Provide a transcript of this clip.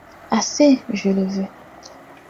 Assez !… je le veux !…